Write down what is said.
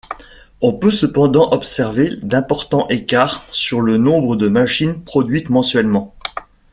On peut cependant observer d'importants écarts sur le nombre de machines produites mensuellement.